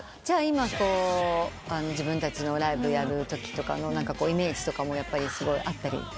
じゃあ今自分たちのライブやるときとかのイメージとかもやっぱりあったり？